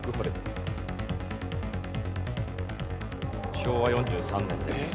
昭和４３年です。